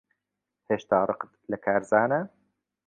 هێشتا ڕقت لە کارزانە؟